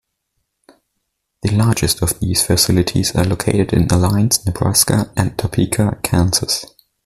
The largest of these facilities are located in Alliance, Nebraska and Topeka, Kansas.